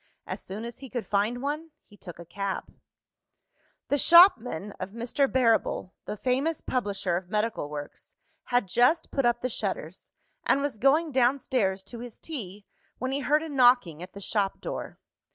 As soon as he could find one, he took a cab. The shopman of Mr. Barrable, the famous publisher of medical works, had just put up the shutters, and was going downstairs to his tea, when he heard a knocking at the shop door.